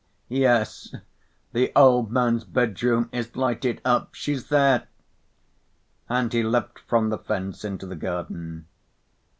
"Yes, the old man's bedroom is lighted up. She's there!" and he leapt from the fence into the garden.